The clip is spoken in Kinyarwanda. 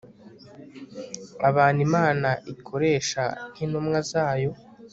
Abantu Imana ikoresha nkintumwa zayo